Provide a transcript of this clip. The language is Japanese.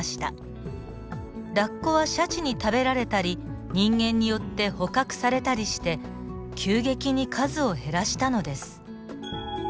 ラッコはシャチに食べられたり人間によって捕獲されたりして急激に数を減らしたのです。